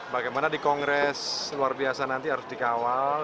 bagaimana di kongres luar biasa nanti harus dikawal